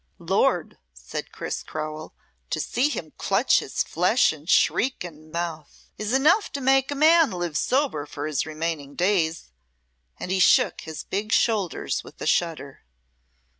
"Lord," said Sir Chris Crowell, "to see him clutch his flesh and shriek and mouth, is enough to make a man live sober for his remaining days," and he shook his big shoulders with a shudder.